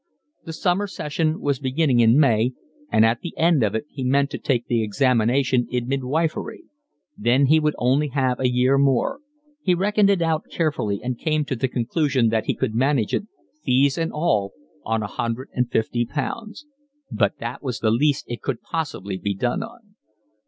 The Summer session was beginning in May, and at the end of it he meant to take the examination in midwifery. Then he would only have a year more; he reckoned it out carefully and came to the conclusion that he could manage it, fees and all, on a hundred and fifty pounds; but that was the least it could possibly be done on.